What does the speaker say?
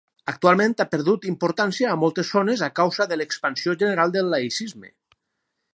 Actualment ha perdut importància a moltes zones a causa de l'expansió general del laïcisme.